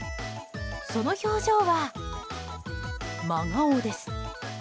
その表情は、真顔です。